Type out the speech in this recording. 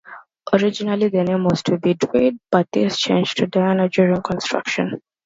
Originally the name was to be "Druid" but this changed to "Diana" during construction.